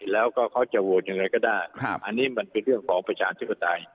แล้วก็เขาจะโหวตยังไงก็ได้อันนี้มันเป็นเรื่องของประชาธิปไตย